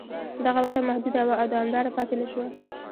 دغه وده محدوده وه او دوامداره پاتې نه شوه.